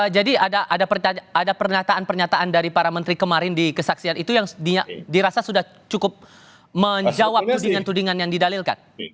jadi ada pernyataan pernyataan dari para menteri kemarin di kesaksian itu yang dirasa sudah cukup menjawab tudingan tudingan yang didalilkan